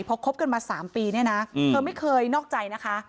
พอคบกันมา๓ปีเนี่ยนะเธอไม่เคยนอกใจนะคะ